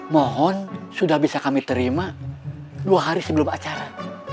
mohon sudah bisa kami terima dua hari sebelum acara